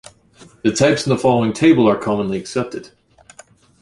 The types in the following table are commonly accepted.